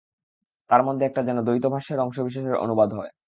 তার মধ্যে একটা যেন দ্বৈত-ভাষ্যের অংশবিশেষের অনুবাদ হয়।